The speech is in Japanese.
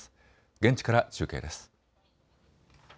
現地から中継です。